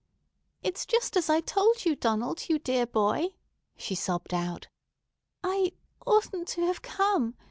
"It's just as I told you, Donald, you dear boy," she sobbed out. "I—oughtn't to have come.